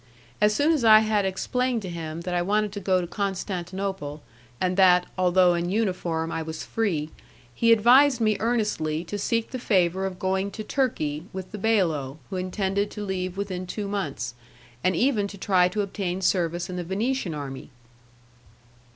As soon as I had explained to him that I wanted to go to Constantinople, and that, although in uniform, I was free, he advised me earnestly to seek the favour of going to Turkey with the bailo, who intended to leave within two months, and even to try to obtain service in the Venetian army.